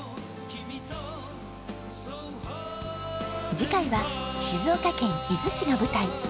次回は静岡県伊豆市が舞台。